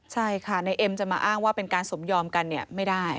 ใช่ค่ะในเอ็มจะมาอ้างว่าเป็นการสมยอมกันเนี่ยไม่ได้